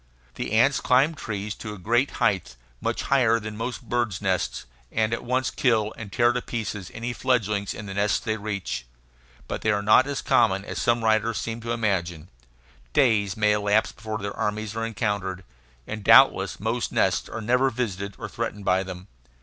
The ants climb trees to a great height, much higher than most birds' nests, and at once kill and tear to pieces any fledglings in the nests they reach. But they are not as common as some writers seem to imagine; days may elapse before their armies are encountered, and doubtless most nests are never visited or threatened by them.